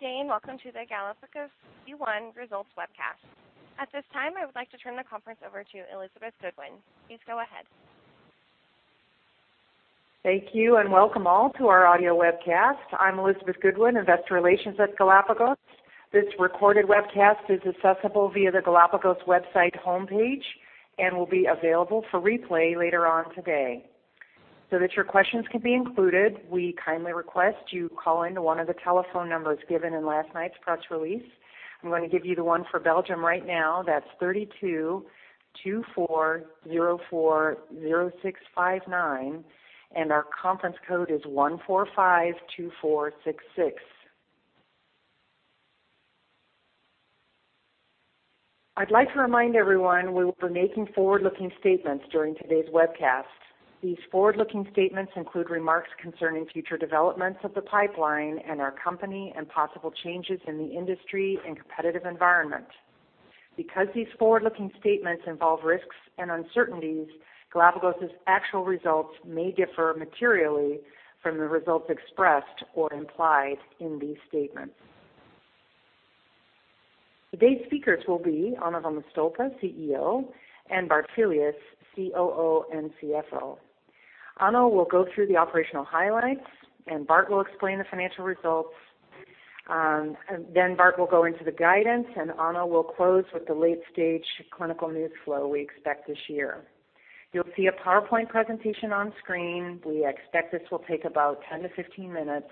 Good day, welcome to the Galapagos Q1 Results Webcast. At this time, I would like to turn the conference over to Elizabeth Goodwin. Please go ahead. Thank you, welcome all to our audio webcast. I'm Elizabeth Goodwin, Investor Relations at Galapagos. This recorded webcast is accessible via the Galapagos website homepage and will be available for replay later on today. Your questions can be included, we kindly request you call in to one of the telephone numbers given in last night's press release. I'm going to give you the one for Belgium right now. That's 32-24-04-0659, our conference code is 1452466. I'd like to remind everyone we will be making forward-looking statements during today's webcast. These forward-looking statements include remarks concerning future developments of the pipeline and our company and possible changes in the industry and competitive environment. Because these forward-looking statements involve risks and uncertainties, Galapagos' actual results may differ materially from the results expressed or implied in these statements. Today's speakers will be Onno van de Stolpe, CEO, and Bart Filius, COO and CFO. Onno will go through the operational highlights, Bart will explain the financial results. Bart will go into the guidance, Onno will close with the late-stage clinical news flow we expect this year. You'll see a PowerPoint presentation on screen. We expect this will take about 10 to 15 minutes,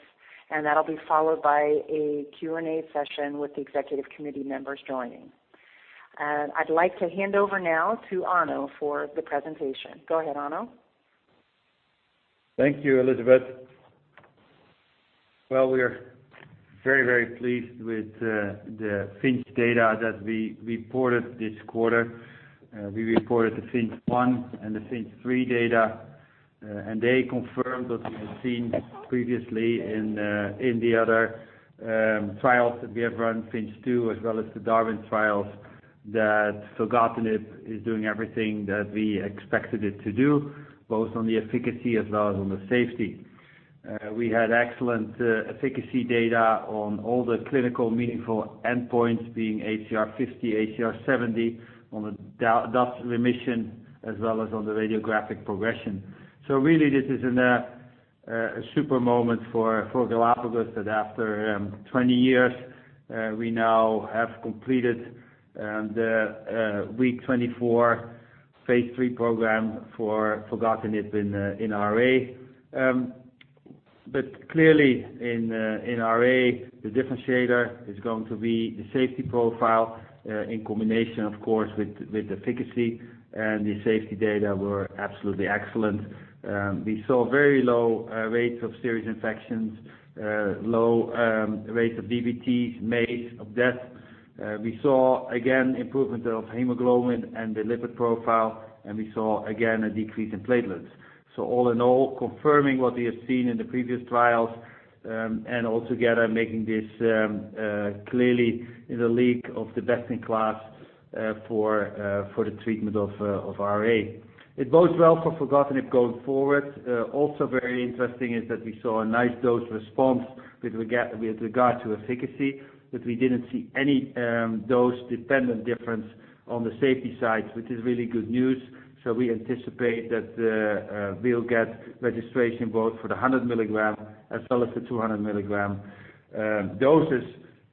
that'll be followed by a Q&A session with the executive committee members joining. I'd like to hand over now to Onno for the presentation. Go ahead, Onno. Thank you, Elizabeth. We are very, very pleased with the FINCH data that we reported this quarter. We reported the FINCH-1 and the FINCH-3 data, they confirmed what we had seen previously in the other trials that we have run, FINCH-2, as well as the DARWIN trials, that filgotinib is doing everything that we expected it to do, both on the efficacy as well as on the safety. We had excellent efficacy data on all the clinical meaningful endpoints being ACR50, ACR70 on the DAS remission as well as on the radiographic progression. Really, this is a super moment for Galapagos that after 20 years, we now have completed the Week 24 phase III program for filgotinib in RA. Clearly in RA, the differentiator is going to be the safety profile in combination, of course, with efficacy, the safety data were absolutely excellent. We saw very low rates of serious infections, low rates of DVTs, MACE, of death. We saw, again, improvement of hemoglobin and the lipid profile, we saw, again, a decrease in platelets. All in all, confirming what we have seen in the previous trials, altogether making this clearly in the league of the best-in-class for the treatment of RA. It bodes well for filgotinib going forward. Very interesting is that we saw a nice dose response with regard to efficacy, we didn't see any dose-dependent difference on the safety side, which is really good news. We anticipate that we'll get registration both for the 100 milligram as well as the 200 milligram doses,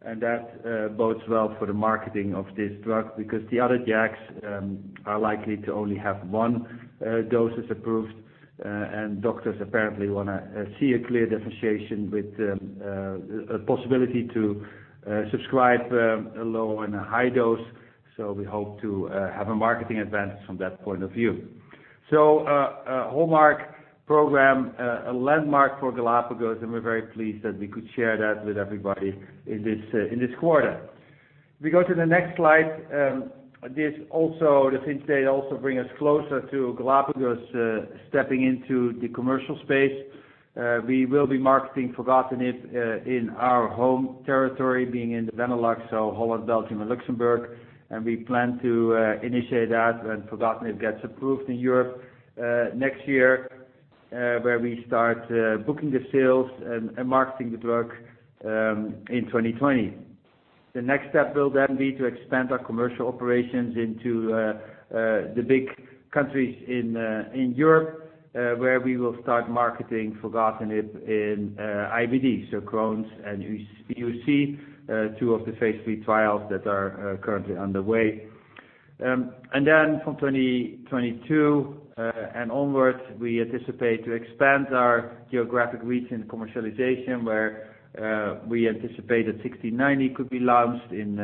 that bodes well for the marketing of this drug because the other JAKs are likely to only have one dosage approved. Doctors apparently want to see a clear differentiation with a possibility to subscribe a low and a high dose. We hope to have a marketing advantage from that point of view. A hallmark program, a landmark for Galapagos, we're very pleased that we could share that with everybody in this quarter. If we go to the next slide, the FINCH data also bring us closer to Galapagos stepping into the commercial space. We will be marketing filgotinib in our home territory, being in the Benelux, Holland, Belgium, and Luxembourg. We plan to initiate that when filgotinib gets approved in Europe next year, where we start booking the sales and marketing the drug in 2020. The next step will then be to expand our commercial operations into the big countries in Europe, where we will start marketing filgotinib in IBD, Crohn's and UC, two of the phase III trials that are currently underway. From 2022 and onwards, we anticipate to expand our geographic reach in commercialization, where we anticipate that 1690 could be launched in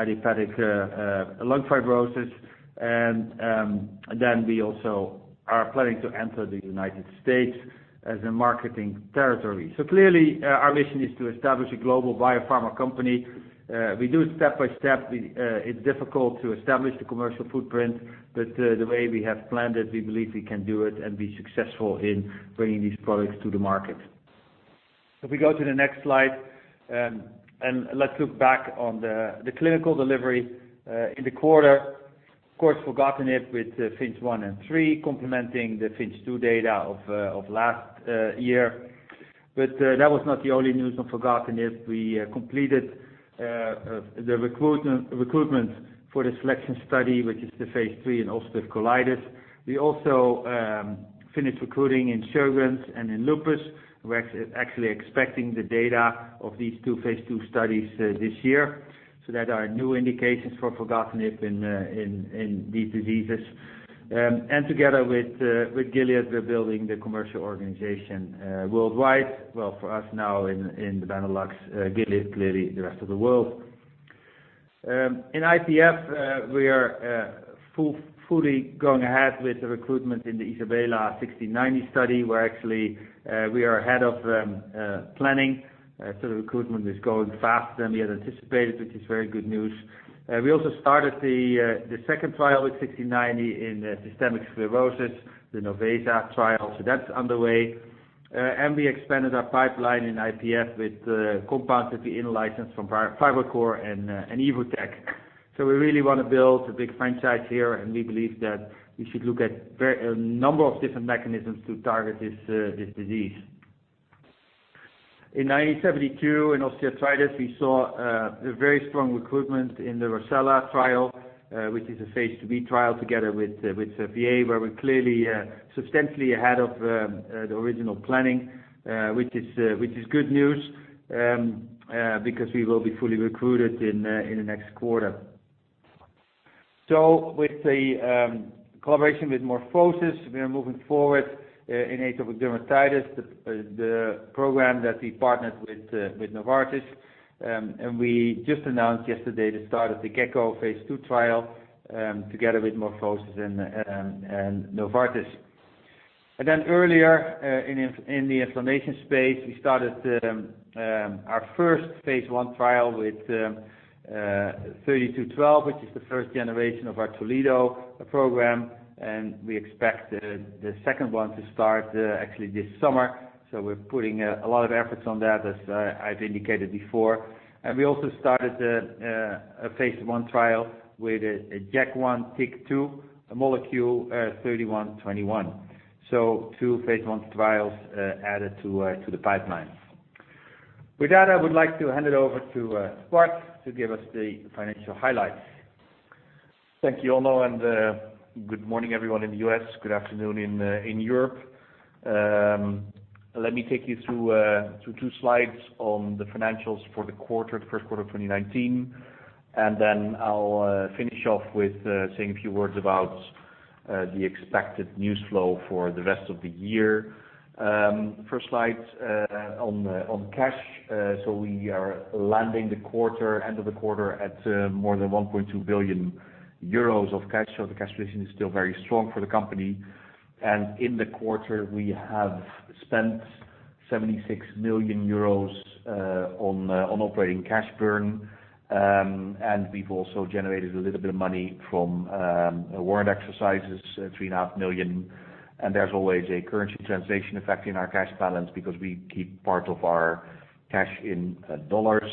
idiopathic pulmonary fibrosis. We also are planning to enter the United States as a marketing territory. Clearly, our mission is to establish a global biopharma company. We do it step by step. It's difficult to establish the commercial footprint, the way we have planned it, we believe we can do it and be successful in bringing these products to the market. If we go to the next slide, let's look back on the clinical delivery in the quarter. Of course, filgotinib with FINCH-1 and FINCH-3 complementing the FINCH-2 data of last year. That was not the only news on filgotinib. We completed the recruitment for the SELECTION study, which is the phase III in ulcerative colitis. We also finished recruiting in Sjögren's and in Lupus. We're actually expecting the data of these two phase II studies this year. That are new indications for filgotinib in these diseases. Together with Gilead, we're building the commercial organization worldwide. Well, for us now in the Benelux, Gilead clearly the rest of the world. In IPF, we are fully going ahead with the recruitment in the ISABELA 1690 study, where actually we are ahead of planning. The recruitment is going faster than we had anticipated, which is very good news. We also started the second trial with GLPG1690 in systemic sclerosis, the NOVESA trial. That's underway. We expanded our pipeline in IPF with compounds that we in-licensed from Fibrocor and Evotec. We really want to build a big franchise here, and we believe that we should look at a number of different mechanisms to target this disease. In GLPG1972, in osteoarthritis, we saw a very strong recruitment in the ROCCELLA trial, which is a phase II-B trial together with Servier, where we're clearly substantially ahead of the original planning. Which is good news, because we will be fully recruited in the next quarter. With the collaboration with MorphoSys, we are moving forward in atopic dermatitis, the program that we partnered with Novartis. We just announced yesterday the start of the GECKO phase II trial, together with MorphoSys and Novartis. Earlier in the inflammation space, we started our first phase I trial with GLPG3312, which is the first generation of our Toledo program, and we expect the second one to start actually this summer. We're putting a lot of efforts on that, as I've indicated before. We also started a phase I trial with a JAK1/TYK2, molecule GLPG3121. Two phase I trials added to the pipeline. With that, I would like to hand it over to Bart Filius to give us the financial highlights. Thank you, Onno, and good morning everyone in the U.S., good afternoon in Europe. Let me take you through two slides on the financials for the first quarter of 2019, and I'll finish off with saying a few words about the expected news flow for the rest of the year. First slide on cash. We are landing the end of the quarter at more than 1.2 billion euros of cash. The cash position is still very strong for the company. In the quarter, we have spent 76 million euros on operating cash burn. We've also generated a little bit of money from warrant exercises, 3.5 million. There's always a currency translation effect in our cash balance because we keep part of our cash in dollars.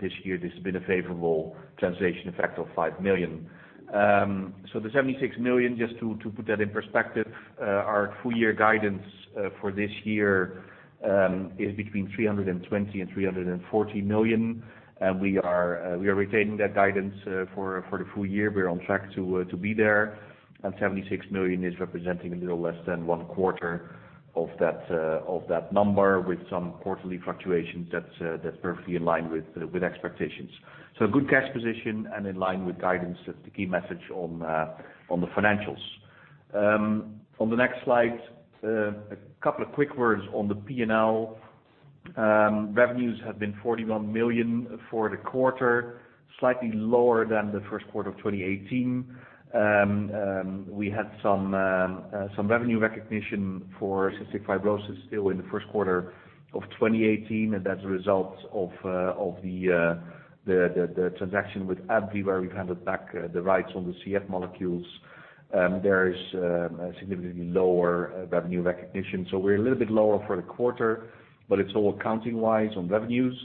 This year, there's been a favorable translation effect of 5 million. The 76 million, just to put that in perspective our full year guidance for this year is between 320 million and 340 million, and we are retaining that guidance for the full year. We're on track to be there, and 76 million is representing a little less than one quarter of that number with some quarterly fluctuations that's perfectly in line with expectations. Good cash position and in line with guidance, that's the key message on the financials. On the next slide, a couple of quick words on the P&L. Revenues have been 41 million for the quarter, slightly lower than the first quarter of 2018. We had some revenue recognition for cystic fibrosis still in the first quarter of 2018, and as a result of the transaction with AbbVie, where we've handed back the rights on the CF molecules there is a significantly lower revenue recognition. We are a little bit lower for the quarter, it is all accounting-wise on revenues.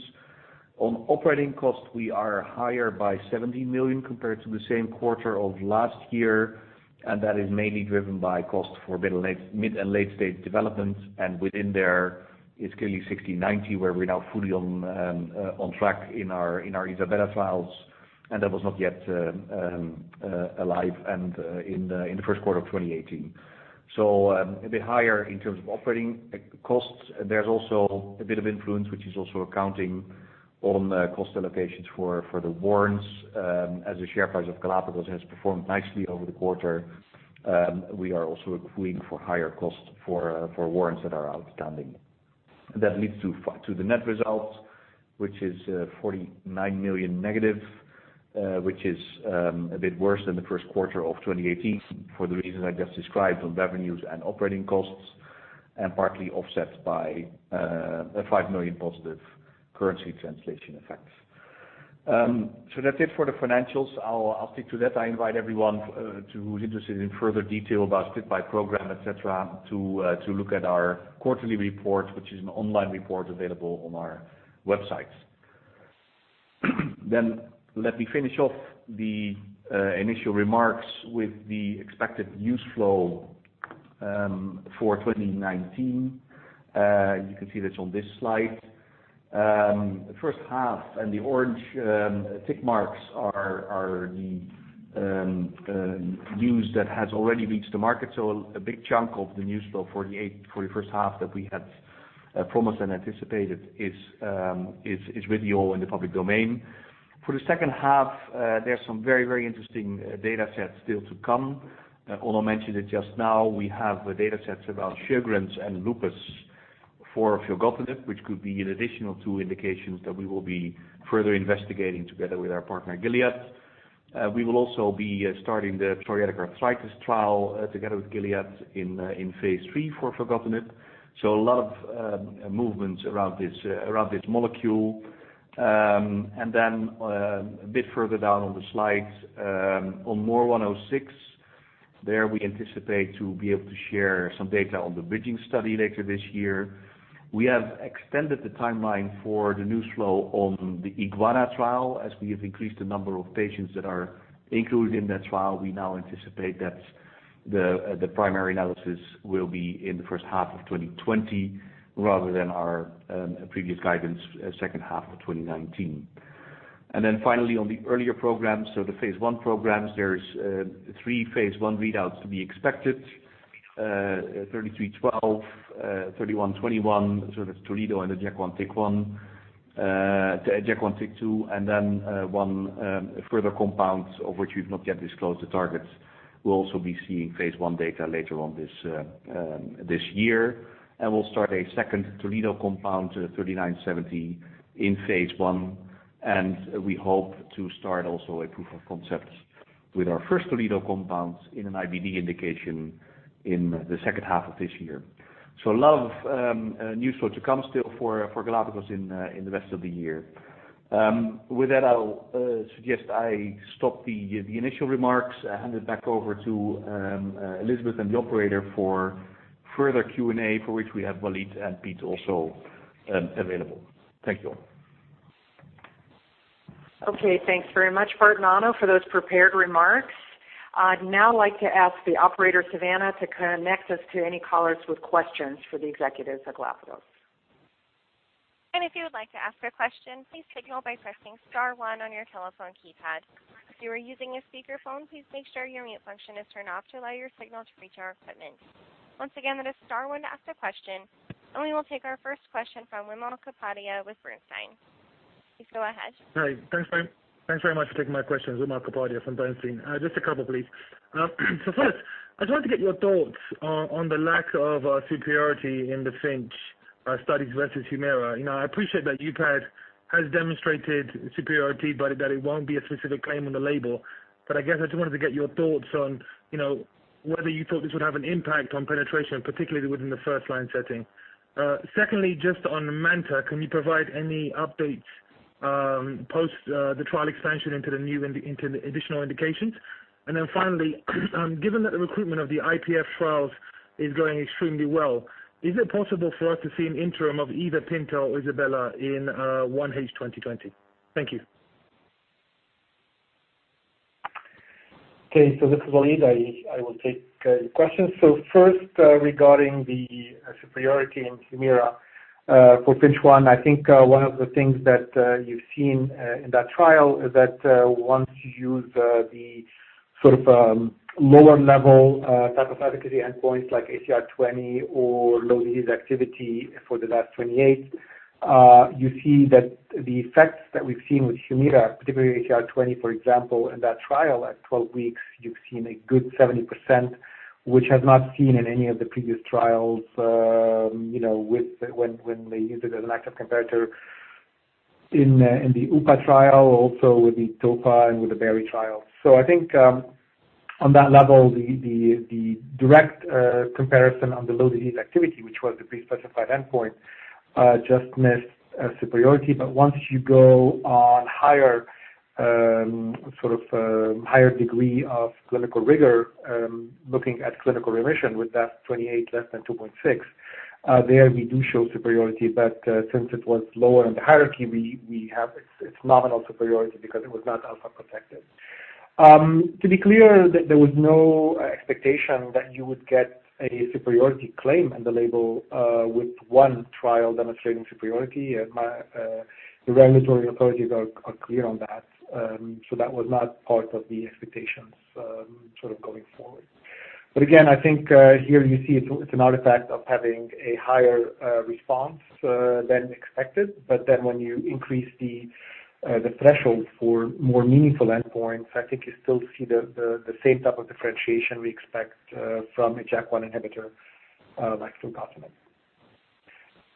On operating costs, we are higher by 70 million compared to the same quarter of last year, that is mainly driven by cost for mid- and late-stage development. Within there, it is clearly GLPG1690, where we are now fully on track in our ISABELA trials, that was not yet alive in the first quarter of 2018. A bit higher in terms of operating costs. There is also a bit of influence, which is also accounting on cost allocations for the warrants. As the share price of Galapagos has performed nicely over the quarter, we are also accruing for higher costs for warrants that are outstanding. That leads to the net results, which is 49 million negative, which is a bit worse than the first quarter of 2018 for the reasons I just described on revenues and operating costs and partly offset by a 5 million positive currency translation effects. That is it for the financials. I will stick to that. I invite everyone who is interested in further detail about split by program, et cetera, to look at our quarterly report, which is an online report available on our website. Let me finish off the initial remarks with the expected news flow for 2019. You can see that on this slide. The first half and the orange tick marks are the news that has already reached the market. A big chunk of the news flow for the first half that we had promised and anticipated is with you all in the public domain. For the second half, there are some very interesting data sets still to come. Onno mentioned it just now. We have data sets about Sjögren's and lupus for filgotinib, which could be an additional two indications that we will be further investigating together with our partner, Gilead. We will also be starting the psoriatic arthritis trial together with Gilead in phase III for filgotinib. A lot of movements around this molecule. A bit further down on the slides, on MOR106, there we anticipate to be able to share some data on the bridging study later this year. We have extended the timeline for the news flow on the IGUANA trial, as we have increased the number of patients that are included in that trial. We now anticipate that the primary analysis will be in the first half of 2020 rather than our previous guidance, second half of 2019. Finally, on the earlier programs, so the phase I programs, there are three phase I readouts to be expected. GLPG3312, GLPG3121, sort of Toledo and the JAK1/TYK2, one further compound of which we have not yet disclosed the targets. We will also be seeing phase I data later on this year. We will start a second Toledo compound, GLPG3970, in phase I, we hope to start also a proof of concept with our first Toledo compound in an IBD indication in the second half of this year. A lot of news flow to come still for Galapagos in the rest of the year. With that, I will suggest I stop the initial remarks. Hand it back over to Elizabeth and the operator for further Q&A, for which we have Walid and Piet also available. Thank you all. Thanks very much, Bart and Onno, for those prepared remarks. I'd now like to ask the operator, Savannah, to connect us to any callers with questions for the executives at Galapagos. If you would like to ask a question, please signal by pressing star 1 on your telephone keypad. If you are using a speakerphone, please make sure your mute function is turned off to allow your signal to reach our equipment. Once again, that is star 1 to ask a question, and we will take our first question from Wimal Kapadia with Bernstein. Please go ahead. Hi. Thanks very much for taking my questions. Wimal Kapadia from Bernstein. Just a couple, please. First, I'd like to get your thoughts on the lack of superiority in the FINCH studies versus HUMIRA. I appreciate that you guys have demonstrated superiority, but that it won't be a specific claim on the label. I guess I just wanted to get your thoughts on whether you thought this would have an impact on penetration, particularly within the first-line setting. Secondly, just on MANTA, can you provide any updates post the trial expansion into the additional indications? Finally, given that the recruitment of the IPF trials is going extremely well, is it possible for us to see an interim of either PINTA or ISABELA in 1H 2020? Thank you. This is Walid. I will take your questions. First, regarding the superiority in HUMIRA for FINCH-1, I think one of the things that you've seen in that trial is that once you use the sort of lower-level type of efficacy endpoints, like ACR20 or low disease activity for the DAS28, you see that the effects that we've seen with HUMIRA, particularly ACR20, for example, in that trial, at 12 weeks, you've seen a good 70%, which has not seen in any of the previous trials, when they used it as an active comparator in the UPA trial, also with the TOFA and with the BARI trial. I think on that level, the direct comparison on the low disease activity, which was the pre-specified endpoint, just missed superiority. Once you go on higher degree of clinical rigor, looking at clinical remission with DAS28 less than 2.6, there we do show superiority. Since it was lower in the hierarchy, it's nominal superiority because it was not alpha protective. To be clear, there was no expectation that you would get a superiority claim on the label with one trial demonstrating superiority. The regulatory authorities are clear on that. That was not part of the expectations going forward. Again, I think here you see it's an artifact of having a higher response than expected, but then when you increase the threshold for more meaningful endpoints, I think you still see the same type of differentiation we expect from a JAK1 inhibitor like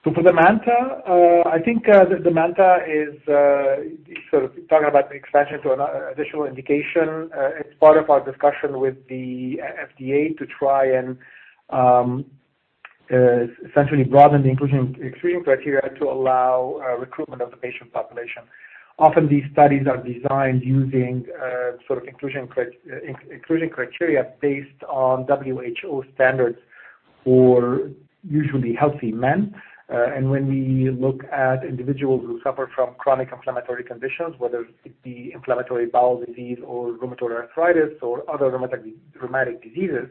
filgotinib. For the MANTA, I think the MANTA is sort of talking about the expansion to an additional indication. It's part of our discussion with the FDA to try and essentially broaden the inclusion criteria to allow recruitment of the patient population. Often these studies are designed using inclusion criteria based on WHO standards For usually healthy men. When we look at individuals who suffer from chronic inflammatory conditions, whether it be inflammatory bowel disease or rheumatoid arthritis or other rheumatic diseases,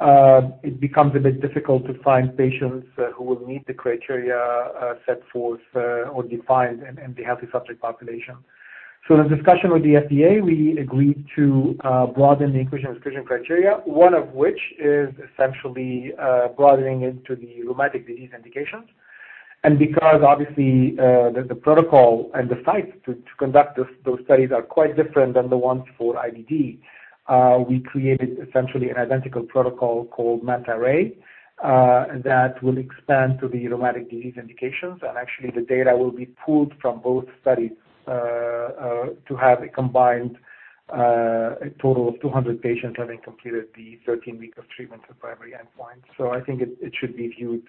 it becomes a bit difficult to find patients who will meet the criteria set forth or defined in the healthy subject population. In discussion with the FDA, we agreed to broaden the inclusion/exclusion criteria, one of which is essentially broadening into the rheumatic disease indications. Because obviously, the protocol and the sites to conduct those studies are quite different than the ones for IBD, we created essentially an identical protocol called MANTA-Ray, that will expand to the rheumatic disease indications. Actually, the data will be pulled from both studies, to have a combined total of 200 patients having completed the 13 weeks of treatment for primary endpoint. I think it should be viewed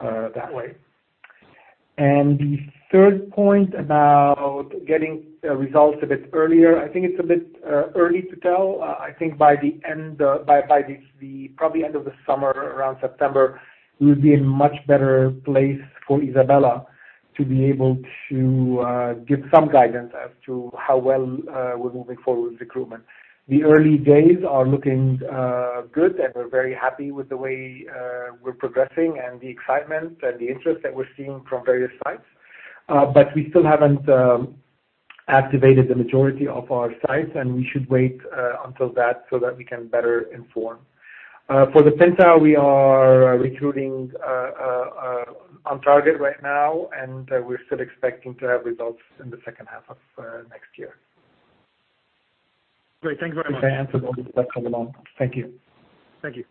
that way. The third point about getting results a bit earlier, I think it's a bit early to tell. I think by the end of the summer, around September, we will be in a much better place for ISABELA to be able to give some guidance as to how well we're moving forward with recruitment. The early days are looking good, and we're very happy with the way we're progressing and the excitement and the interest that we're seeing from various sites. We still haven't activated the majority of our sites, and we should wait until that so that we can better inform. For the PINTA, we are recruiting on target right now, and we're still expecting to have results in the second half of next year. Great. Thank you very much. If I answered all that come along. Thank you. Thank you.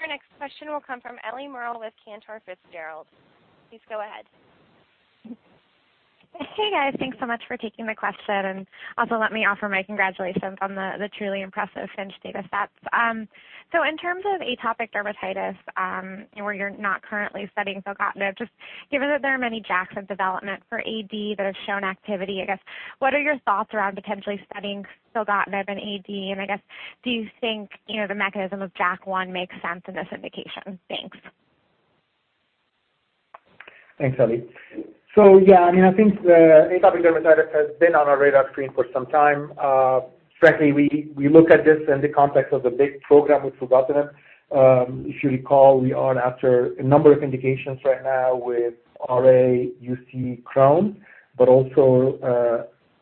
Our next question will come from Eliana Merle with Cantor Fitzgerald. Please go ahead. Hey, guys. Thanks so much for taking the question, and also let me offer my congratulations on the truly impressive FINCH data stats. In terms of atopic dermatitis, where you're not currently studying filgotinib, just given that there are many JAKs in development for AD that have shown activity, I guess, what are your thoughts around potentially studying filgotinib in AD? Do you think the mechanism of JAK1 makes sense in this indication? Thanks. Thanks, Ellie. Yeah, I think atopic dermatitis has been on our radar screen for some time. Frankly, we look at this in the context of the big program with filgotinib. If you recall, we are after a number of indications right now with RA, UC, Crohn's, but also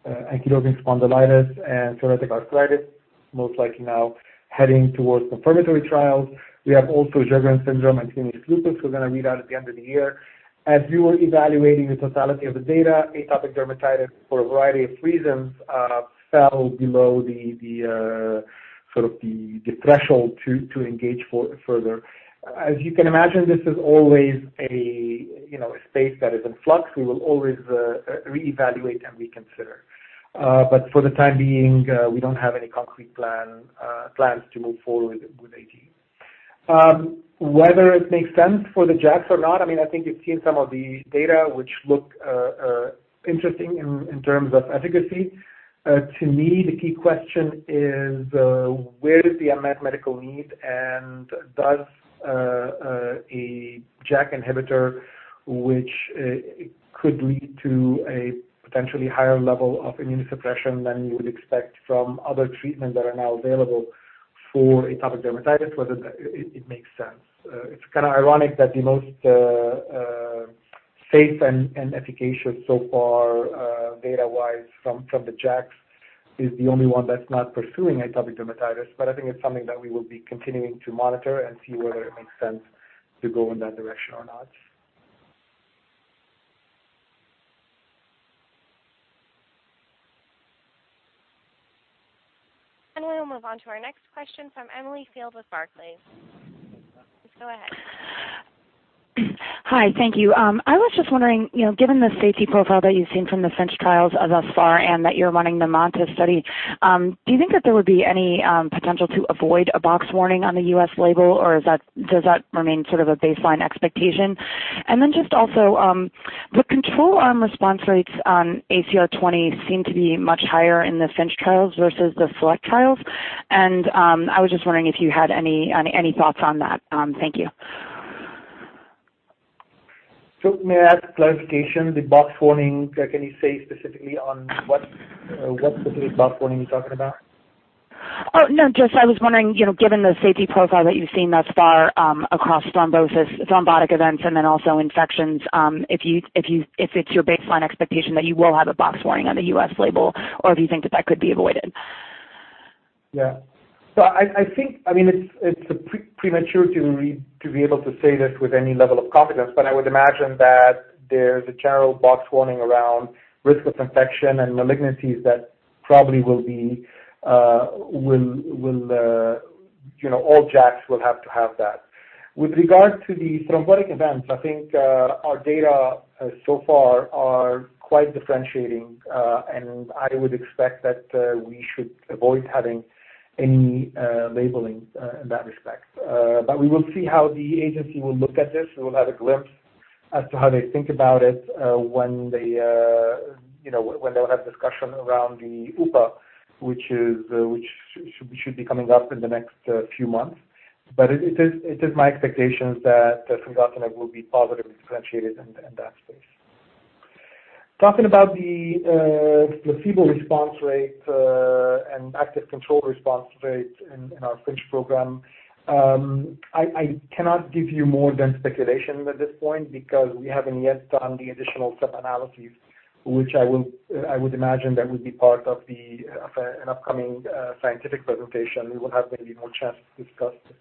ankylosing spondylitis and psoriatic arthritis, most likely now heading towards confirmatory trials. We have also Sjögren's syndrome and lupus. We're going to read out at the end of the year. As we were evaluating the totality of the data, atopic dermatitis, for a variety of reasons, fell below the threshold to engage further. As you can imagine, this is always a space that is in flux. We will always reevaluate and reconsider. For the time being, we don't have any concrete plans to move forward with AD. Whether it makes sense for the JAKs or not, I think you've seen some of the data which look interesting in terms of efficacy. To me, the key question is where is the unmet medical need and does a JAK inhibitor, which could lead to a potentially higher level of immunosuppression than you would expect from other treatments that are now available for atopic dermatitis, whether it makes sense. It's ironic that the most safe and efficacious so far, data-wise, from the JAKs is the only one that's not pursuing atopic dermatitis. I think it's something that we will be continuing to monitor and see whether it makes sense to go in that direction or not. We will move on to our next question from Emily Field with Barclays. Please go ahead. Hi, thank you. I was just wondering, given the safety profile that you've seen from the FINCH trials thus far and that you're running the MANTA study, do you think that there would be any potential to avoid a box warning on the U.S. label, or does that remain sort of a baseline expectation? The control arm response rates on ACR20 seem to be much higher in the FINCH trials versus the SELECT trials, and I was just wondering if you had any thoughts on that. Thank you. May I ask clarification, the box warning, can you say specifically on what specifically box warning you're talking about? I was wondering, given the safety profile that you've seen thus far across thrombotic events and then also infections, if it's your baseline expectation that you will have a box warning on the U.S. label, or do you think that that could be avoided? Yeah. I think it's premature to be able to say this with any level of confidence, but I would imagine that there's a general box warning around risk of infection and malignancies that probably all JAKs will have to have that. With regard to the thrombotic events, I think our data so far are quite differentiating, and I would expect that we should avoid having any labeling in that respect. We will see how the agency will look at this. We will have a glimpse as to how they think about it when they'll have discussion around the upadacitinib, which should be coming up in the next few months. It is my expectations that filgotinib will be positively differentiated in that space. Talking about the placebo response rate and active control response rate in our FINCH program, I cannot give you more than speculation at this point because we haven't yet done the additional sub-analyses, which I would imagine that would be part of an upcoming scientific presentation. We will have maybe more chance to discuss this.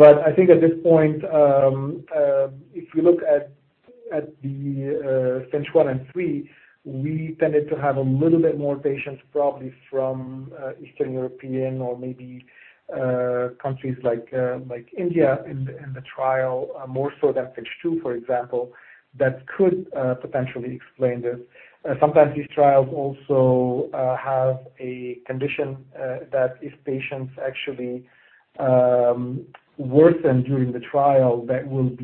I think at this point, if we look at the FINCH 1 and 3, we tended to have a little bit more patients probably from Eastern European or maybe countries like India in the trial, more so than FINCH 2, for example, that could potentially explain this. Sometimes these trials also have a condition that if patients actually worsen during the trial, they will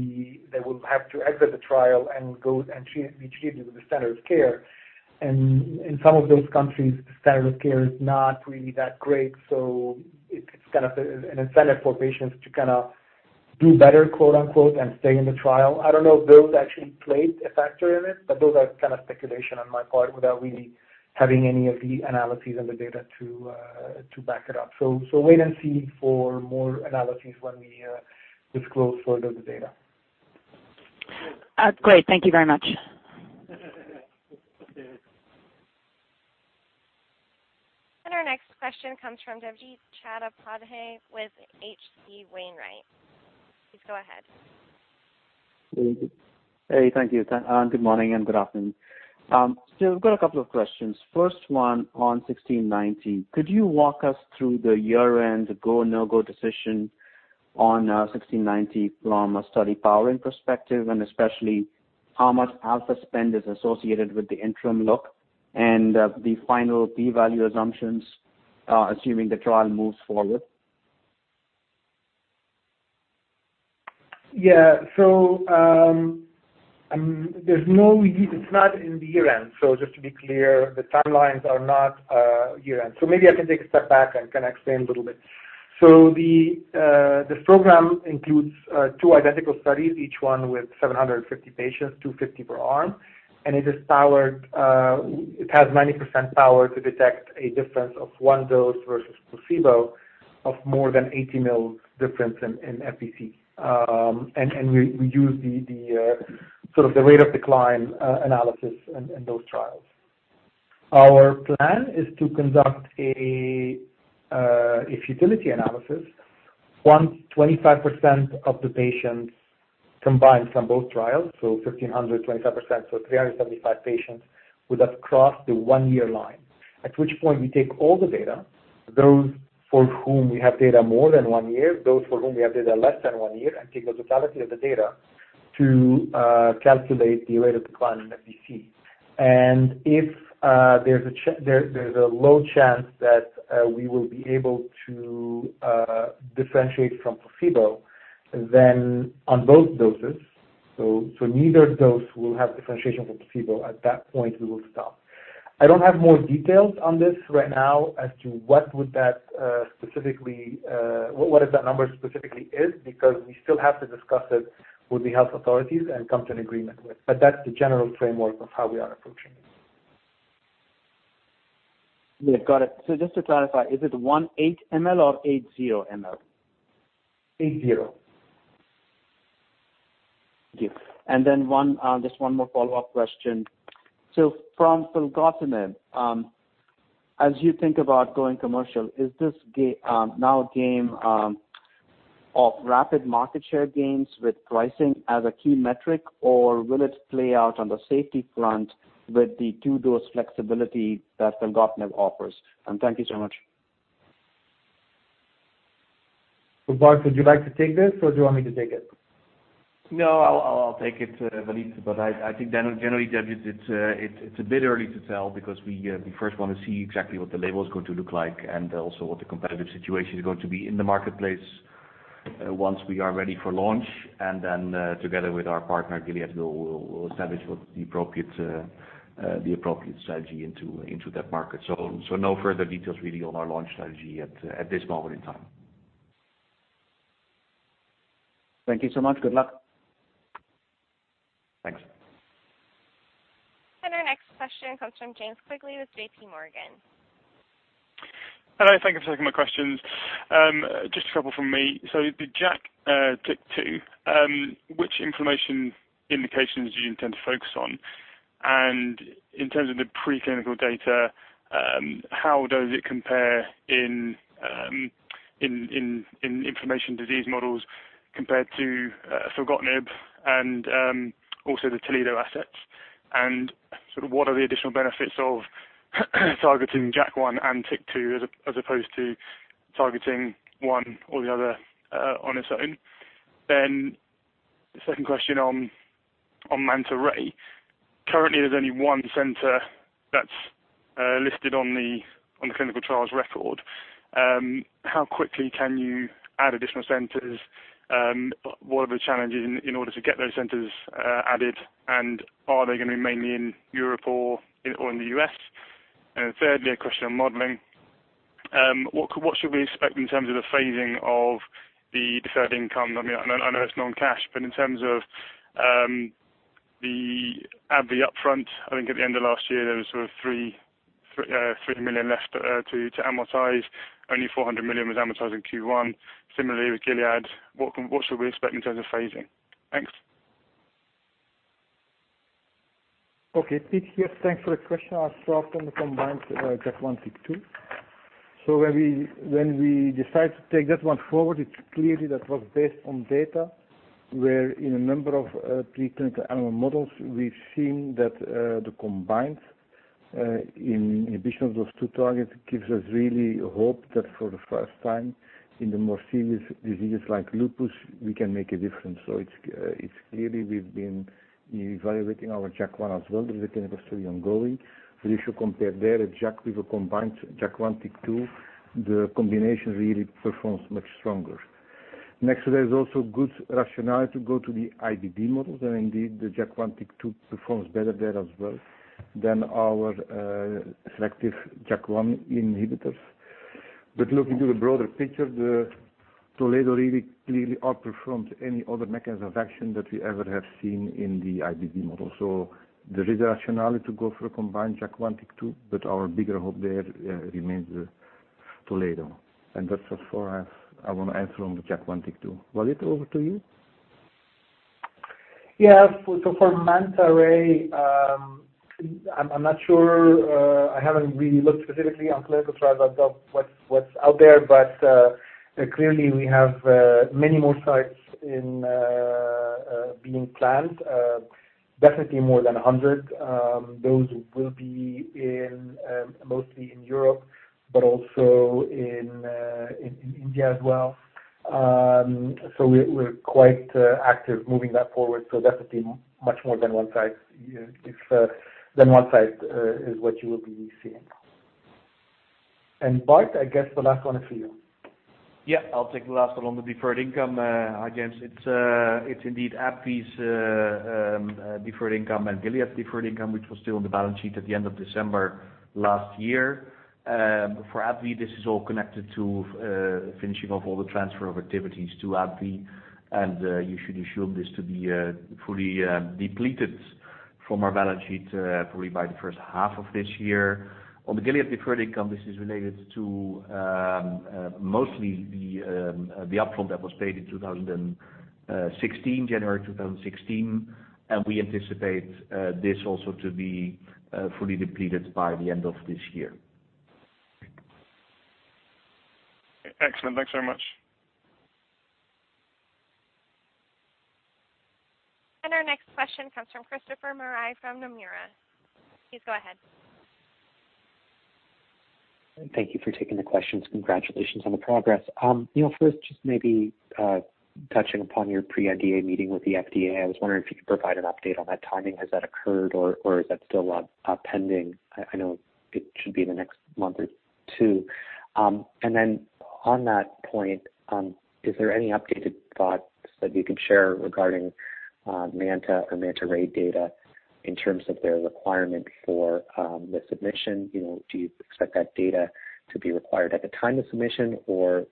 have to exit the trial and be treated with the standard of care. In some of those countries, standard of care is not really that great. It's kind of an incentive for patients to "do better," quote-unquote, and stay in the trial. I don't know if those actually played a factor in it, those are kind of speculation on my part without really having any of the analyses and the data to back it up. Wait and see for more analyses when we disclose further the data. Great. Thank you very much. Okay. Our next question comes from Debjit Chattopadhyay with H.C. Wainwright. Please go ahead. Hey. Thank you. Good morning and good afternoon. I've got a couple of questions. First one on GLPG1690. Could you walk us through the year-end go, no-go decision on GLPG1690 from a study powering perspective, and especially how much alpha spend is associated with the interim look and the final P value assumptions, assuming the trial moves forward? Yeah. It's not in the year-end. Just to be clear, the timelines are not year-end. Maybe I can take a step back and explain a little bit. The program includes two identical studies, each one with 750 patients, 250 per arm. It has 90% power to detect a difference of one dose versus placebo of more than 80 ml difference in FVC. We use the rate of decline analysis in those trials. Our plan is to conduct a futility analysis once 25% of the patients combined from both trials, 1,500, 25%, so 375 patients would have crossed the one-year line. At which point we take all the data, those for whom we have data more than one year, those for whom we have data less than one year, and take the totality of the data to calculate the rate of decline in FVC. If there's a low chance that we will be able to differentiate from placebo, then on both doses. Neither dose will have differentiation from placebo. At that point, we will stop. I don't have more details on this right now as to what that number specifically is, because we still have to discuss it with the health authorities and come to an agreement with. That's the general framework of how we are approaching it. Yeah. Got it. Just to clarify, is it one 8 ml or 80 ml? 80. Thank you. Just one more follow-up question. From filgotinib, as you think about going commercial, is this now a game of rapid market share gains with pricing as a key metric, or will it play out on the safety front with the two-dose flexibility that filgotinib offers? Thank you so much. Bart, would you like to take this, or do you want me to take it? No, I'll take it, Walid. I think generally, Debjit, it's a bit early to tell because we first want to see exactly what the label is going to look like and also what the competitive situation is going to be in the marketplace once we are ready for launch. Together with our partner, Gilead, we'll establish what the appropriate strategy into that market. No further details really on our launch strategy at this moment in time. Thank you so much. Good luck. Thanks. Our next question comes from James Quigley with JPMorgan. Hello. Thank you for taking my questions. Just a couple from me. The JAK1/TYK2, which inflammation indications do you intend to focus on? In terms of the preclinical data, how does it compare in inflammation disease models compared to filgotinib and also the Toledo assets? Sort of what are the additional benefits of targeting JAK1 and TYK2 as opposed to targeting one or the other on its own? The second question on MANTA-Ray. Currently, there is only one center that is listed on the clinical trials record. How quickly can you add additional centers? What are the challenges in order to get those centers added, and are they going to be mainly in Europe or in the U.S.? Thirdly, a question on modeling. What should we expect in terms of the phasing of the deferred income? I know it is non-cash, but in terms of the AbbVie upfront, I think at the end of last year, there was sort of 3 million left to amortize. Only 400 million was amortized in Q1. Similarly, with Gilead, what should we expect in terms of phasing? Thanks. Okay, Piet, yes. Thanks for the question. I will start on the combined JAK1/TYK2. When we decide to take that one forward, it is clear that was based on data where in a number of preclinical animal models, we have seen that the combined inhibition of those two targets gives us really hope that for the first time in the more serious diseases like lupus, we can make a difference. It is clearly we have been evaluating our JAK1 as well. The clinical study is ongoing. If you compare there a JAK with a combined JAK1/TYK2, the combination really performs much stronger. Next, there is also good rationale to go to the IBD models, and indeed, the JAK1/TYK2 performs better there as well than our selective JAK1 inhibitors. Looking to the broader picture, the Toledo really clearly outperforms any other mechanism of action that we ever have seen in the IBD model. There is a rationale to go for a combined JAK1/TYK2, our bigger hope there remains the Toledo. That is as far as I want to answer on the JAK1/TYK2. Walid, over to you. Yeah. For MANTA-Ray, I am not sure. I have not really looked specifically on clinicaltrials.gov what is out there. Clearly we have many more sites being planned. Definitely more than 100. Those will be mostly in Europe, but also in India as well. We are quite active moving that forward. Definitely much more than one site is what you will be seeing. Bart, I guess the last one is for you. Yeah, I will take the last one on the deferred income, James. It is indeed AbbVie's deferred income and Gilead's deferred income, which was still on the balance sheet at the end of December last year. For AbbVie, this is all connected to finishing off all the transfer of activities to AbbVie, and you should assume this to be fully depleted from our balance sheet, probably by the first half of this year. On the Gilead deferred income, this is related to mostly the upfront that was paid in January 2016. We anticipate this also to be fully depleted by the end of this year. Excellent. Thanks very much. Our next question comes from Christopher Marai from Nomura. Please go ahead. Thank you for taking the questions. Congratulations on the progress. First, just maybe touching upon your pre-NDA meeting with the FDA, I was wondering if you could provide an update on that timing. Has that occurred or is that still pending? I know it should be in the next month or two. On that point, is there any updated thoughts that you could share regarding MANTA or MANTA-Ray data in terms of their requirement for the submission? Do you expect that data to be required at the time of submission or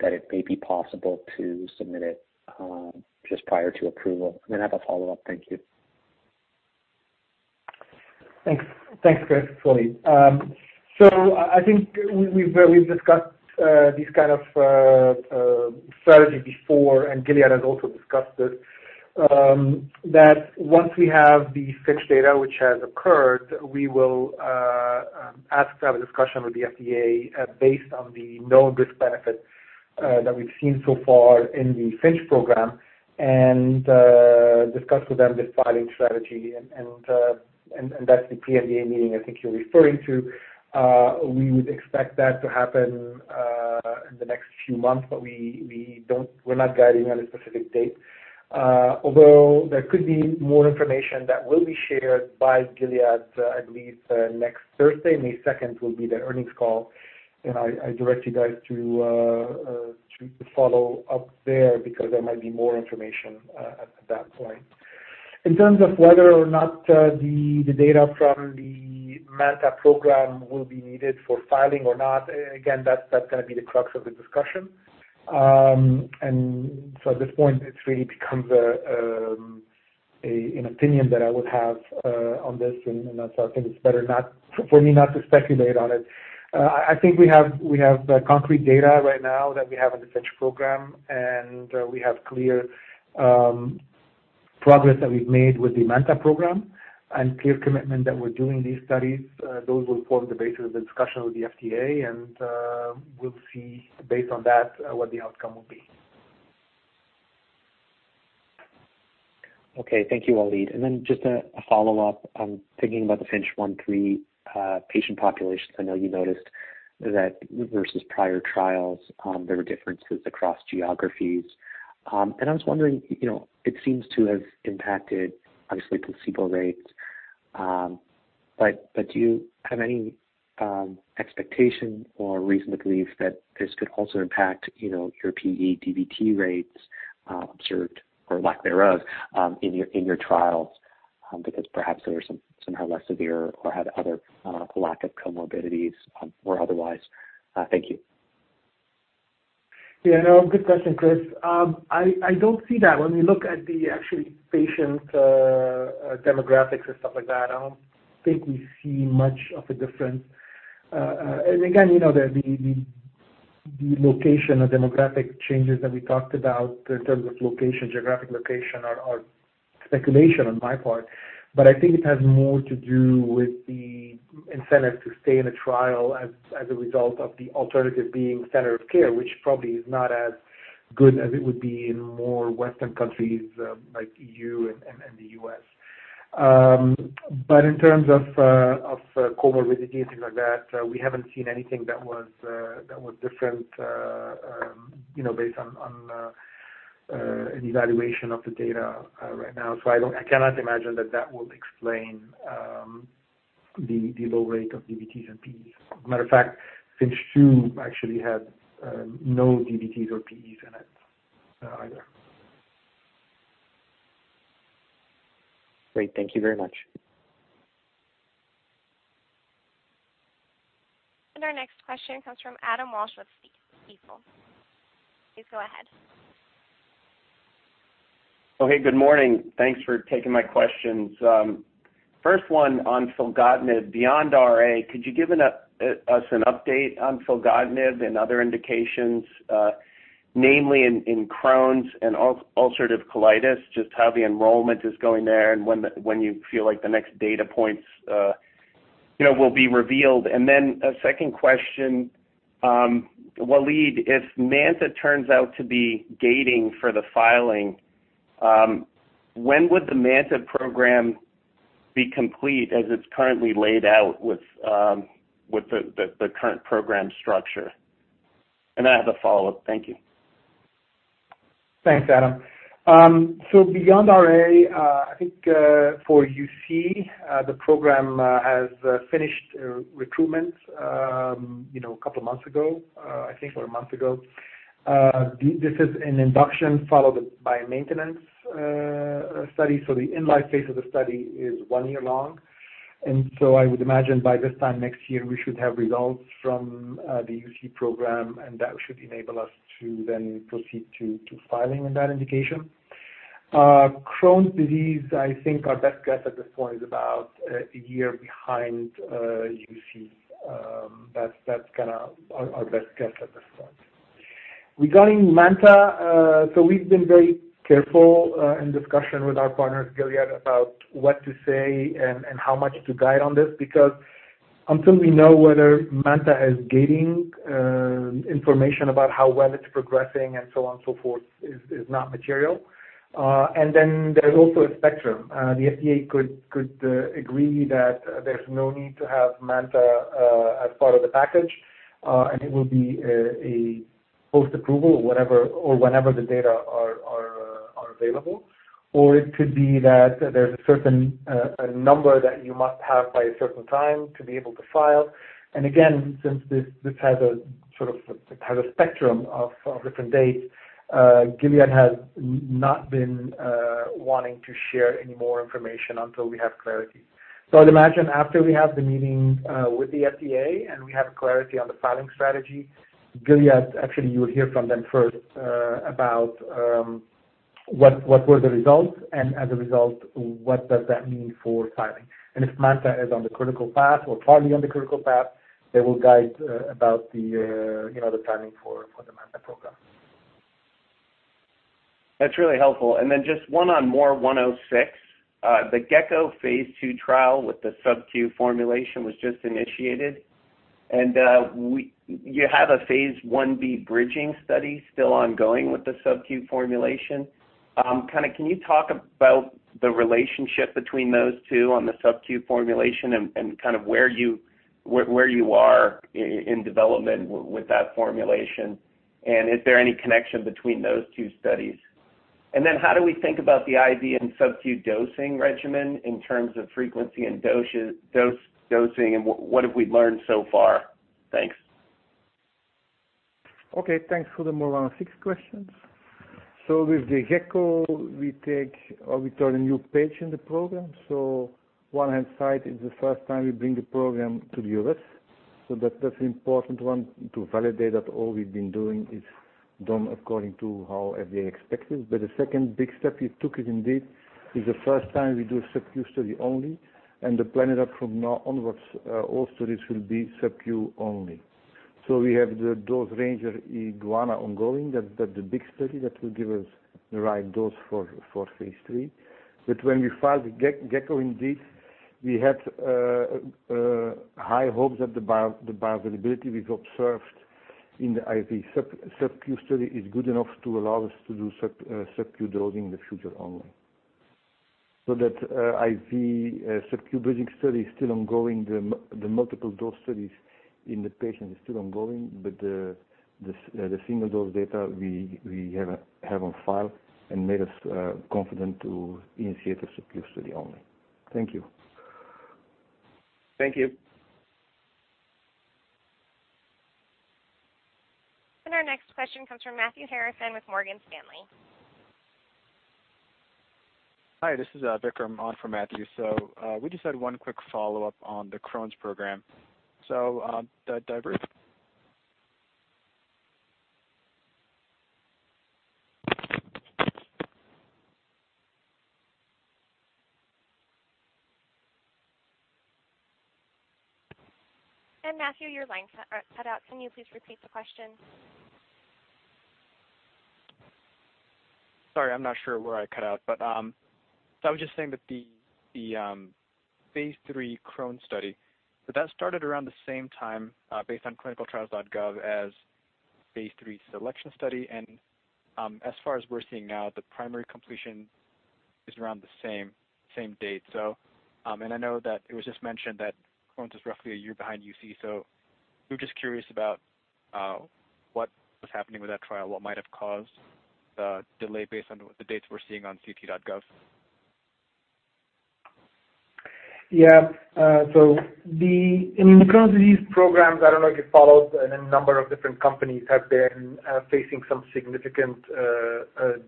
that it may be possible to submit it just prior to approval? I have a follow-up. Thank you. Thanks. Thanks, Chris. Walid. I think we've discussed this kind of strategy before, and Gilead has also discussed this. That once we have the FINCH data, which has occurred, we will ask to have a discussion with the FDA based on the known risk/benefit that we've seen so far in the FINCH program and discuss with them the filing strategy and that's the pre-NDA meeting I think you're referring to. We would expect that to happen in the next few months, but we're not guiding on a specific date. Although there could be more information that will be shared by Gilead, I believe, next Thursday. May 2nd will be their earnings call, and I direct you guys to follow up there because there might be more information at that point. In terms of whether or not the data from the MANTA program will be needed for filing or not, again, that's going to be the crux of the discussion. At this point, it really becomes an opinion that I would have on this, I think it's better for me not to speculate on it. I think we have concrete data right now that we have in the FINCH program, we have clear progress that we've made with the MANTA program and clear commitment that we're doing these studies. Those will form the basis of the discussion with the FDA, we'll see based on that, what the outcome will be. Okay. Thank you, Walid. Then just a follow-up. I'm thinking about the FINCH-1, FINCH-3 patient populations. I know you noticed that versus prior trials, there were differences across geographies. I was wondering, it seems to have impacted, obviously, placebo rates. Do you have any expectation or reason to believe that this could also impact your PE DVT rates observed or lack thereof in your trials? Because perhaps they were somehow less severe or had other lack of comorbidities or otherwise. Thank you. Good question, Chris. I don't see that. When we look at the actual patient demographics and stuff like that, I don't think we see much of a difference. Again, the location or demographic changes that we talked about in terms of location, geographic location are speculation on my part. I think it has more to do with the incentive to stay in a trial as a result of the alternative being center of care, which probably is not as good as it would be in more Western countries like EU and the U.S. But in terms of comorbidity and things like that, we haven't seen anything that was different based on an evaluation of the data right now. I cannot imagine that that will explain the low rate of DVTs and PEs. As a matter of fact, FINCH-2 actually had no DVTs or PEs in it either. Great. Thank you very much. Our next question comes from Adam Walsh with Stifel. Please go ahead. Hey, good morning. Thanks for taking my questions. First one on filgotinib. Beyond RA, could you give us an update on filgotinib and other indications, namely in Crohn's and ulcerative colitis, just how the enrollment is going there and when you feel like the next data points will be revealed? A second question. Walid, if MANTA turns out to be gating for the filing, when would the MANTA program be complete as it's currently laid out with the current program structure? I have a follow-up. Thank you. Thanks, Adam. Beyond RA, I think, for UC, the program has finished recruitment a couple of months ago, I think, or a month ago. This is an induction followed by a maintenance study. The in-life phase of the study is one year long. I would imagine by this time next year, we should have results from the UC program, and that should enable us to then proceed to filing in that indication. Crohn's disease, I think our best guess at this point is about a year behind UC. That's our best guess at this point. Regarding MANTA, we've been very careful in discussion with our partners, Gilead, about what to say and how much to guide on this, because until we know whether MANTA is gating, information about how well it's progressing and so on and so forth is not material. There's also a spectrum. The FDA could agree that there's no need to have MANTA as part of the package, and it will be a post-approval or whenever the data are available. It could be that there's a certain number that you must have by a certain time to be able to file. Since this has a spectrum of different dates, Gilead has not been wanting to share any more information until we have clarity. I'd imagine after we have the meeting with the FDA and we have clarity on the filing strategy, Gilead, actually, you would hear from them first about what were the results, and as a result, what does that mean for filing. If MANTA is on the critical path or partly on the critical path, they will guide about the timing for the MANTA program. That's really helpful. Just one on MOR106. The GECKO phase II trial with the sub-Q formulation was just initiated, and you have a phase I-B bridging study still ongoing with the sub-Q formulation. Can you talk about the relationship between those two on the sub-Q formulation and where you are in development with that formulation, and is there any connection between those two studies? How do we think about the IV and sub-Q dosing regimen in terms of frequency and dosing, and what have we learned so far? Thanks. Thanks for the MOR106 questions. With the GECKO, we turn a new page in the program. One hand side is the first time we bring the program to the U.S., that's an important one to validate that all we've been doing is done according to how FDA expected. The second big step we took is indeed is the first time we do a sub-Q study only, and the plan is that from now onwards, all studies will be sub-Q only. We have the dose ranger IGUANA ongoing. That the big study that will give us the right dose for phase III. When we filed GECKO, indeed, we had high hopes that the bioavailability we've observed in the IV sub-Q study is good enough to allow us to do sub-Q dosing in the future only. So that IV sub-Q bridging study is still ongoing. The multiple dose studies in the patient is still ongoing, the single dose data we have on file and made us confident to initiate a sub-Q study only. Thank you. Thank you. Our next question comes from Matthew Harrison with Morgan Stanley. Hi, this is Vikram on for Matthew. We just had one quick follow-up on the Crohn's program. The diversion Matthew, your line cut out. Can you please repeat the question? Sorry, I'm not sure where I cut out, but I was just saying that the phase III Crohn's study, that started around the same time, based on clinicaltrials.gov as phase III SELECTION study. As far as we're seeing now, the primary completion is around the same date. I know that it was just mentioned that Crohn's is roughly a year behind UC, so we're just curious about what was happening with that trial, what might have caused the delay based on the dates we're seeing on ct.gov. Yeah. In Crohn's disease programs, I don't know if you followed, and a number of different companies have been facing some significant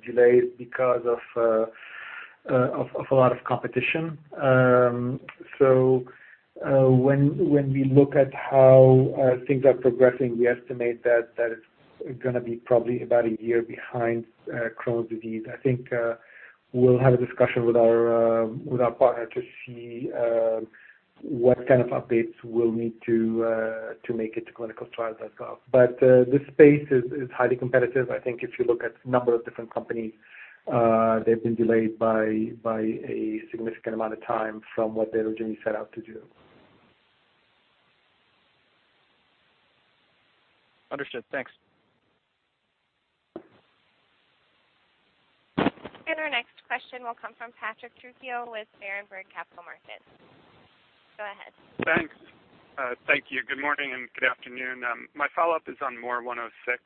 delays because of a lot of competition. When we look at how things are progressing, we estimate that it's going to be probably about a year behind Crohn's disease. I think, we'll have a discussion with our partner to see what kind of updates we'll need to make it to clinicaltrials.gov. This space is highly competitive. I think if you look at number of different companies, they've been delayed by a significant amount of time from what they originally set out to do. Understood. Thanks. Our next question will come from Patrick Trucchio with Berenberg Capital Markets. Go ahead. Thanks. Thank you. Good morning and good afternoon. My follow-up is on MOR106.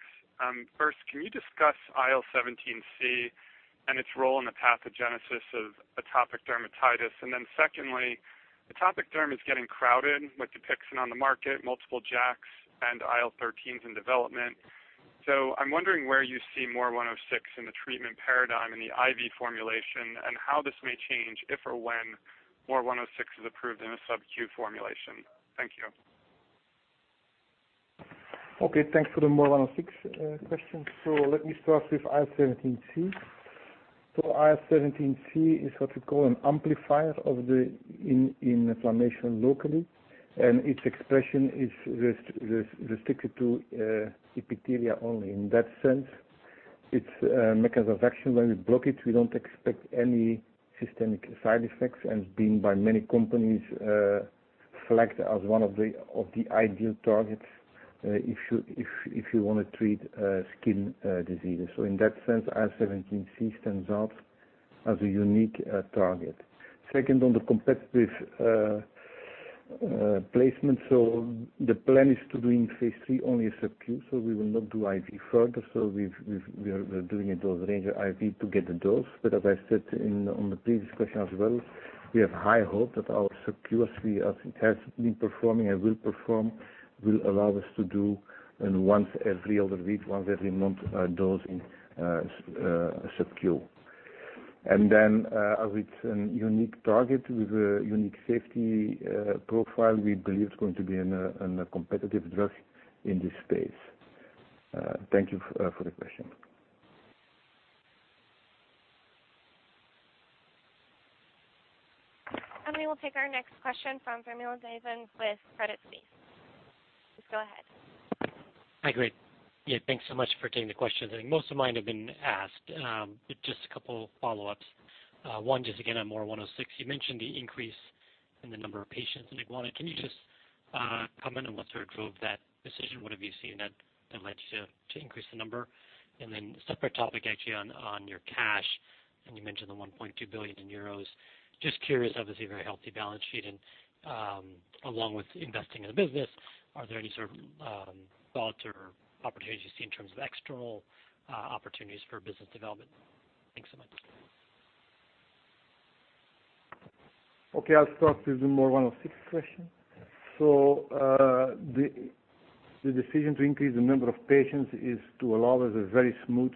First, can you discuss IL-17C and its role in the pathogenesis of atopic dermatitis? Secondly, atopic derm is getting crowded with DUPIXENT on the market, multiple JAKs, and IL-13 in development. I'm wondering where you see MOR106 in the treatment paradigm in the IV formulation, and how this may change if or when MOR106 is approved in a subcu formulation. Thank you. Okay, thanks for the MOR106 question. Let me start with IL-17C. IL-17C is what we call an amplifier of the inflammation locally, and its expression is restricted to epithelia only. In that sense, its mechanism of action, when we block it, we don't expect any systemic side effects, and it's been by many companies flagged as one of the ideal targets if you want to treat skin diseases. In that sense, IL-17C stands out as a unique target. Second, on the competitive placement. The plan is to do in phase III only subcu, we will not do IV further. We're doing it those range of IV to get the dose. As I said on the previous question as well, we have high hope that our subcu, as it has been performing and will perform, will allow us to do an once every other week, once every month dosing subcu. Then, with a unique target, with a unique safety profile, we believe it's going to be a competitive drug in this space. Thank you for the question. We will take our next question from Vamil Divan with Credit Suisse. Please go ahead. Hi, great. Thanks so much for taking the questions, most of mine have been asked. Just a couple follow-ups. One, just again, on MOR106. You mentioned the increase in the number of patients in Tijuana, can you just comment on what sort of drove that decision? What have you seen that led you to increase the number? Separate topic, actually, on your cash. You mentioned the 1.2 billion euros. Just curious, obviously, very healthy balance sheet along with investing in the business, are there any sort of thoughts or opportunities you see in terms of external opportunities for business development? Thanks so much. Okay, I'll start with the MOR106 question. The decision to increase the number of patients is to allow us a very smooth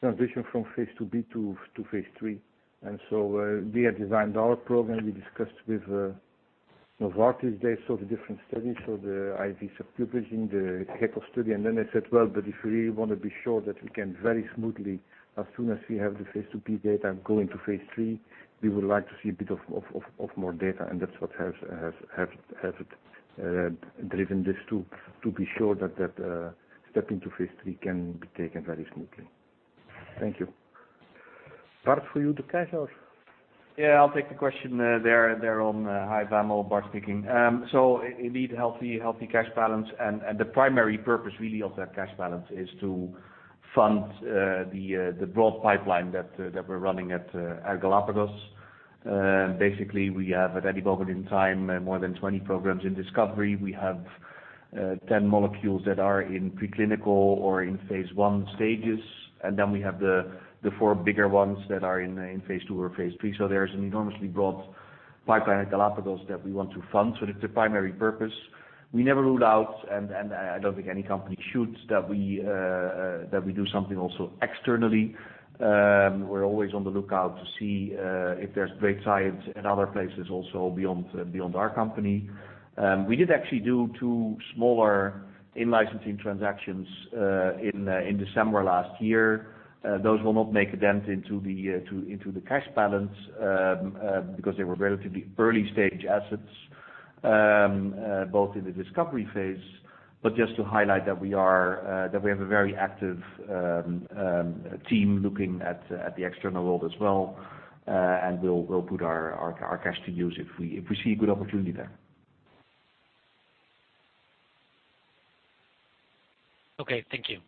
transition from phase II-B to phase III. We have designed our program. We discussed with Novartis. They saw the different studies, the IV subcu bridging, the GECKO study. They said, "Well, if we want to be sure that we can very smoothly, as soon as we have the phase II-B data, go into phase III, we would like to see a bit of more data." That's what has driven this too, to be sure that that step into phase III can be taken very smoothly. Thank you. Bart, for you the cash or- I'll take the question there on Vamil. Bart speaking. Indeed, healthy cash balance. The primary purpose really of that cash balance is to fund the broad pipeline that we're running at Galapagos. Basically, we have, at any moment in time, more than 20 programs in discovery. We have 10 molecules that are in pre-clinical or in phase I stages. We have the four bigger ones that are in phase II or phase III. There's an enormously broad pipeline at Galapagos that we want to fund. That's the primary purpose. We never rule out, I don't think any company should, that we do something also externally. We're always on the lookout to see if there's great science in other places also beyond our company. We did actually do two smaller in-licensing transactions in December last year. Those will not make a dent into the cash balance, because they were relatively early-stage assets, both in the discovery phase. Just to highlight that we have a very active team looking at the external world as well, we'll put our cash to use if we see a good opportunity there. Okay. Thank you.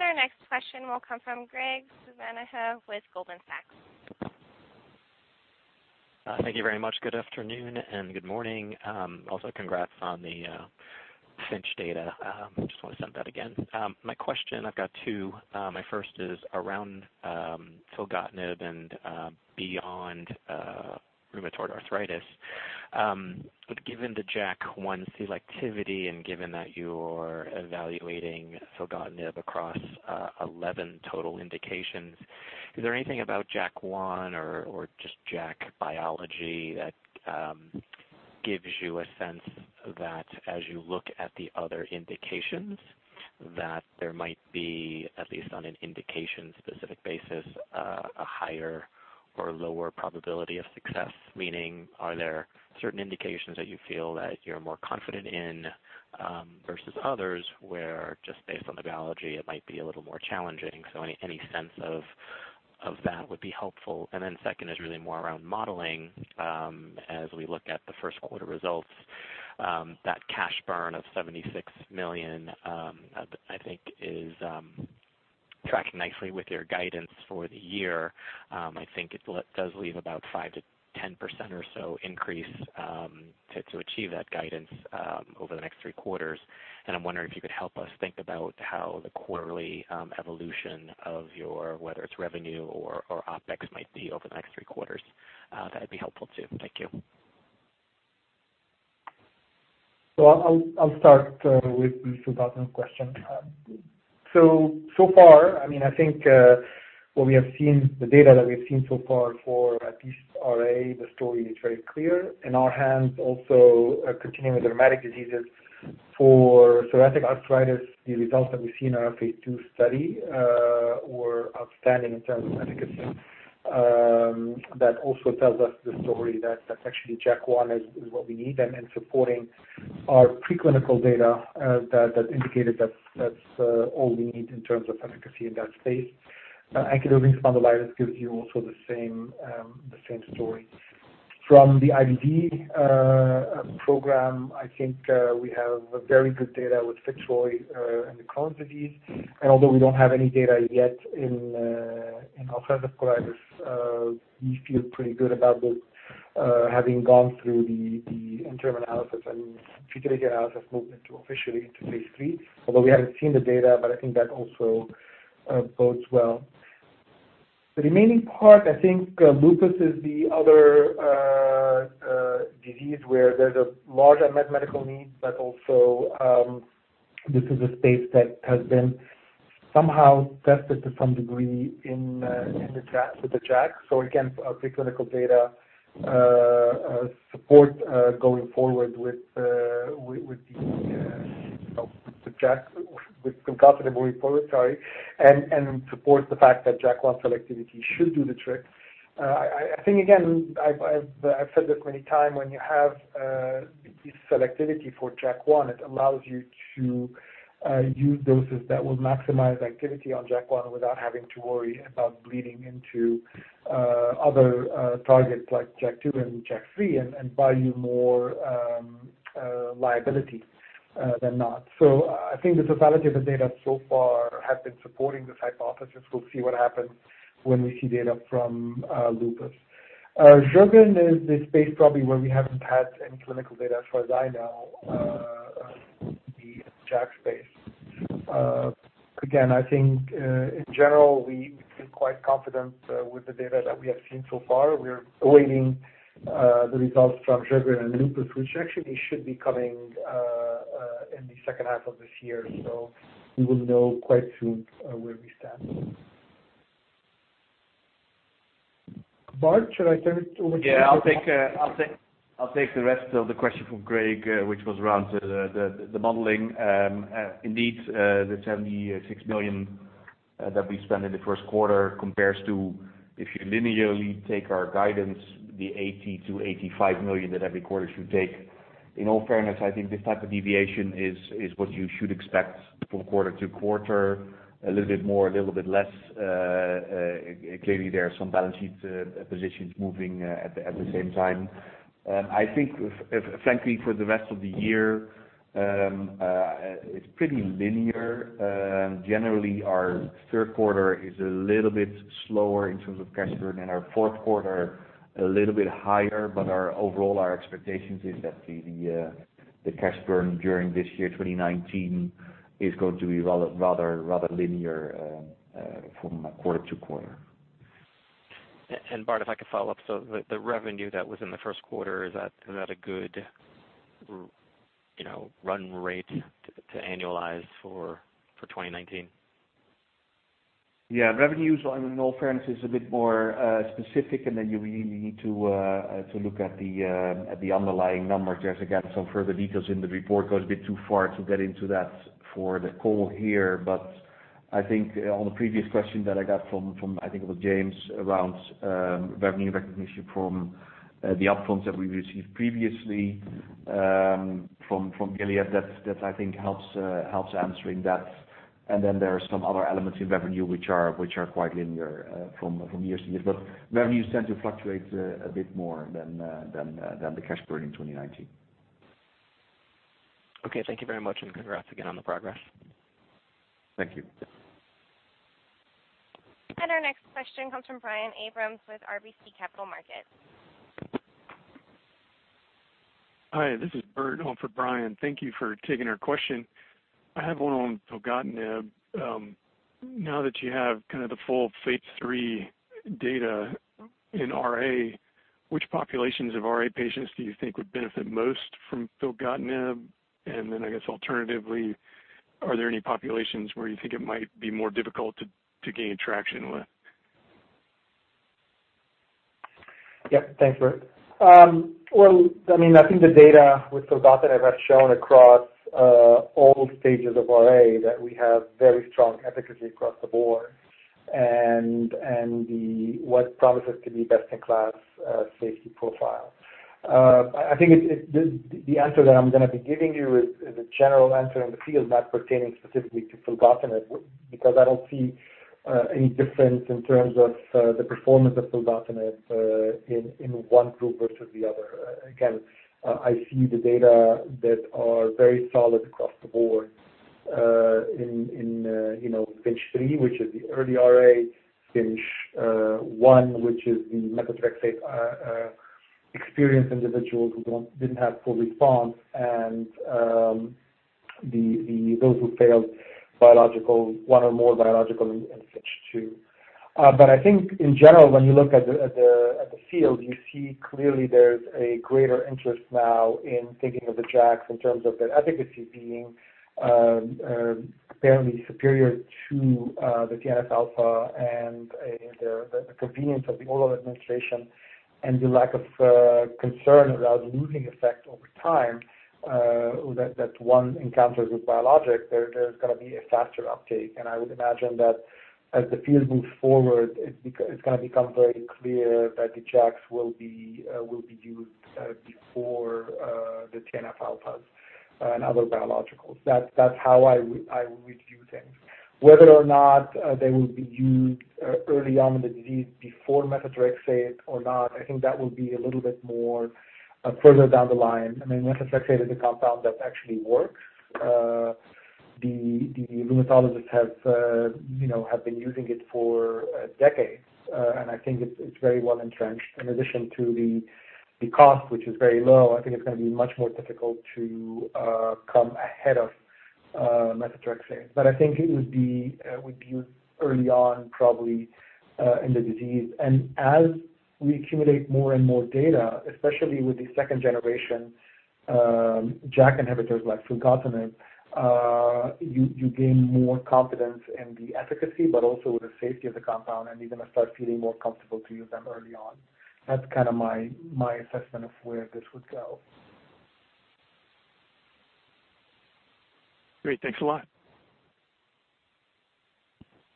Our next question will come from Graig Suvannavejh with Goldman Sachs. Thank you very much. Good afternoon and good morning. Congrats on the FINCH data. I just want to say that again. My question, I've got two. My first is around filgotinib and beyond rheumatoid arthritis. Given the JAK1 selectivity and given that you're evaluating filgotinib across 11 total indications, is there anything about JAK1 or just JAK biology that gives you a sense that as you look at the other indications, that there might be, at least on an indication-specific basis, a higher or lower probability of success? Meaning, are there certain indications that you feel that you're more confident in, versus others, where just based on the biology, it might be a little more challenging? Any sense of that would be helpful. Second is really more around modeling. As we look at the first quarter results, that cash burn of 76 million, I think is tracking nicely with your guidance for the year. I think it does leave about 5%-10% or so increase, to achieve that guidance over the next three quarters. I'm wondering if you could help us think about how the quarterly evolution of your, whether it's revenue or OpEx, might be over the next three quarters. That'd be helpful too. Thank you. I'll start with the filgotinib question. So far, I think the data that we've seen so far for at least RA, the story is very clear. In our hands, also continuing with rheumatic diseases, for psoriatic arthritis, the results that we've seen in our phase II study were outstanding in terms of efficacy. That also tells us the story that actually JAK1 is what we need and is supporting our pre-clinical data that indicated that's all we need in terms of efficacy in that space. Ankylosing spondylitis gives you also the same story. From the IBD program, I think we have very good data with FITZROY in Crohn's disease. Although we don't have any data yet in ulcerative colitis, we feel pretty good about those having gone through the interim analysis and future data analysis movement officially into phase III, although we haven't seen the data, but I think that also bodes well. The remaining part, I think Lupus is the other disease where there's a large unmet medical need, but also this is a space that has been somehow tested to some degree with the JAK. Again, pre-clinical data support going forward with filgotinib and support the fact that JAK1 selectivity should do the trick. I think, again, I've said this many times, when you have selectivity for JAK1, it allows you to use doses that will maximize activity on JAK1 without having to worry about bleeding into other targets like JAK2 and JAK3 and buy you more liability than not. I think the totality of the data so far has been supporting this hypothesis. We'll see what happens when we see data from Lupus. Sjögren's is the space probably where we haven't had any clinical data as far as I know, the JAK space. Again, I think in general, we feel quite confident with the data that we have seen so far. We're awaiting the results from Sjögren's and Lupus, which actually should be coming in the second half of this year. We will know quite soon where we stand. Bart, should I turn it over to you? I'll take the rest of the question from Graig, which was around the modeling. Indeed, the 76 million that we spent in the first quarter compares to. If you linearly take our guidance, the 80 million to 85 million that every quarter should take. In all fairness, I think this type of deviation is what you should expect from quarter to quarter, a little bit more, a little bit less. Clearly, there are some balance sheet positions moving at the same time. I think, frankly, for the rest of the year, it's pretty linear. Generally, our third quarter is a little bit slower in terms of cash burn, and our fourth quarter a little bit higher. Overall, our expectations is that the cash burn during this year, 2019, is going to be rather linear from quarter to quarter. Bart, if I could follow up. The revenue that was in the first quarter, is that a good run rate to annualize for 2019? Revenues, in all fairness, is a bit more specific, you really need to look at the underlying numbers. There's, again, some further details in the report. Goes a bit too far to get into that for the call here. I think on the previous question that I got from, I think it was James, around revenue recognition from the upfronts that we've received previously from Gilead, that, I think, helps answering that. There are some other elements in revenue which are quite linear from year to year. Revenues tend to fluctuate a bit more than the cash burn in 2019. Thank you very much, congrats again on the progress. Thank you. Our next question comes from Brian Abrahams with RBC Capital Markets. Hi, this is Bert on for Brian. Thank you for taking our question. I have one on filgotinib. Now that you have kind of the full phase III data in RA, which populations of RA patients do you think would benefit most from filgotinib? I guess alternatively, are there any populations where you think it might be more difficult to gain traction with? Thanks, Bert. Well, I think the data with filgotinib has shown across all stages of RA that we have very strong efficacy across the board, and what promises to be best-in-class safety profile. I think the answer that I'm going to be giving you is a general answer in the field, not pertaining specifically to filgotinib, because I don't see any difference in terms of the performance of filgotinib in one group versus the other. Again, I see the data that are very solid across the board in phase III, which is the early RA, phase I, which is the methotrexate experience individuals who didn't have full response, and those who failed one or more biological in phase II. I think in general, when you look at the field, you see clearly there's a greater interest now in thinking of the JAKs in terms of their efficacy being apparently superior to the TNF-α and the convenience of the oral administration and the lack of concern about losing effect over time that one encounters with biologics. There's going to be a faster uptake. I would imagine that as the field moves forward, it's going to become very clear that the JAKs will be used before the TNF-αs and other biologicals. That's how I would view things. Whether or not they will be used early on in the disease before methotrexate or not, I think that will be a little bit more further down the line. Methotrexate is a compound that actually works. The rheumatologists have been using it for decades, and I think it's very well-entrenched. In addition to the cost, which is very low, I think it's going to be much more difficult to come ahead of methotrexate. I think it would be used early on probably in the disease. As we accumulate more and more data, especially with the second-generation JAK inhibitors like filgotinib, you gain more confidence in the efficacy, but also the safety of the compound, and you're going to start feeling more comfortable to use them early on. That's kind of my assessment of where this would go. Great. Thanks a lot.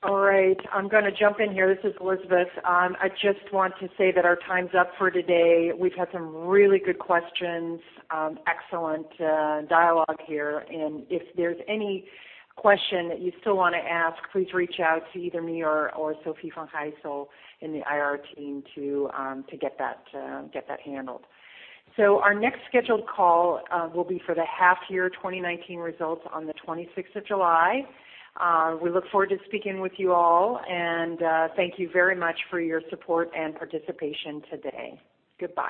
All right. I'm going to jump in here. This is Elizabeth. I just want to say that our time's up for today. We've had some really good questions, excellent dialogue here. If there's any question that you still want to ask, please reach out to either me or Sofie Van Gijsel in the IR team to get that handled. Our next scheduled call will be for the half-year 2019 results on the 26th of July. We look forward to speaking with you all, and thank you very much for your support and participation today. Goodbye